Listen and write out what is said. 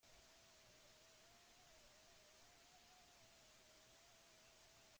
Ehun eta berrogeita hamar matematikok eta informatikok sortua da.